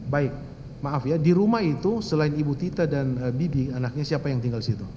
baik maaf ya di rumah itu selain ibu tita dan bibi anaknya siapa yang tinggal di situ